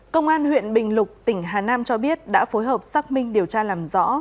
công an huyện bình lục tỉnh hà nam cho biết đã phối hợp xác minh điều tra làm rõ